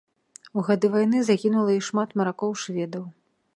У гады вайны загінула і шмат маракоў-шведаў.